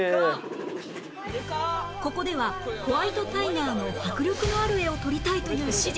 ここではホワイトタイガーの迫力のある画を撮りたいという指示